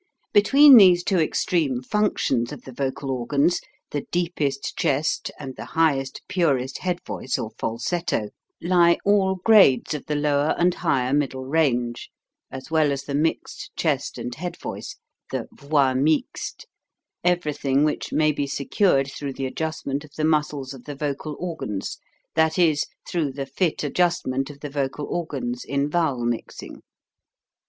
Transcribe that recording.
Between these two extreme functions of the vocal organs, the deepest chest and the high est purest head voice or falsetto, lie all grades 52 HOW TO SING of the lower and higher middle range, as well as the mixed chest and head voice, the "voix mixte," everything which may be secured through the adjustment of the muscles of the vocal organs, that is, through the fit adjust ment of the vocal organs in vowel mixing.